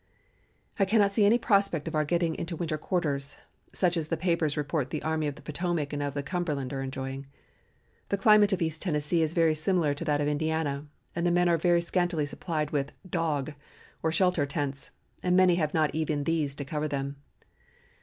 "I cannot see any prospect of our getting into winter quarters, such as the papers report the Army of the Potomac and of the Cumberland are enjoying. The climate of East Tennessee is very similar to that of Indiana, and the men are very scantily supplied with 'dog' or shelter tents and many have not even these to cover them.